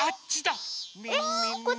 えっ？